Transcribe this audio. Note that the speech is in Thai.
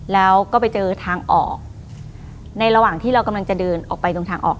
แล้วก็ไปเจอทางออกในระหว่างที่เรากำลังจะเดินออกไปตรงทางออก